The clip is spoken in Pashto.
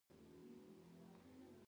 آیا اوبه د افغانستان تیل دي؟